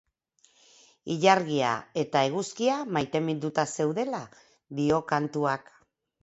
Ilargia eta eguzkia maiteminduta zeudela dio kantuak.